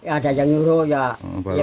ada yang nyuruh ya